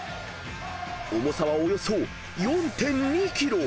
［重さはおよそ４．２ｋｇ］